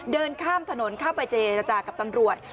เดินข้ามถนนเข้าไปเจรจากับตำรวจ